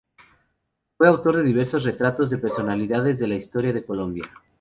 Fue autor de diversos retratos de personalidades de la historia de Colombia.